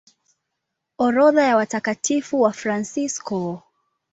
Orodha ya Watakatifu Wafransisko